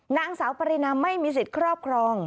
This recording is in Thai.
นางสาวปรินาไม่มีสิทธิ์ครอบครอง